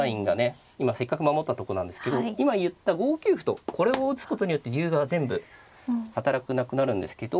今せっかく守ったとこなんですけど今言った５九歩とこれを打つことによって竜が全部働かなくなるんですけど